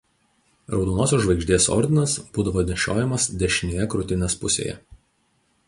Raudonosios žvaigždės ordinas būdavo nešiojamas dešinėje krūtinės pusėje.